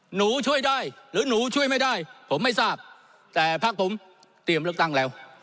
หนูช่วยได้หรือหนูช่วยไม่ได้ผมไม่ทราบแต่พักผมเตรียมเลือกตั้งแล้ว